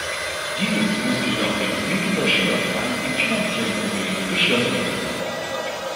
Dieses musste jedoch wegen sinkender Schülerzahlen und finanziellen Problemen geschlossen werden.